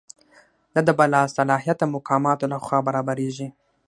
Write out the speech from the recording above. دا د باصلاحیته مقاماتو لخوا برابریږي.